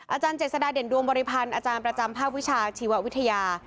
อาจารย์เจษฎาเด่นดวงบริพันธ์อาจารย์ประจำภาควิชาชีววิทยา